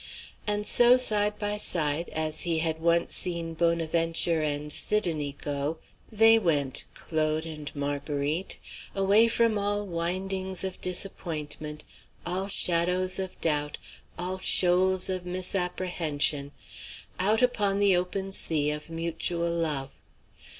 And so, side by side, as he had once seen Bonaventure and Sidonie go, they went, Claude and Marguerite, away from all windings of disappointment, all shadows of doubt, all shoals of misapprehension, out upon the open sea of mutual love.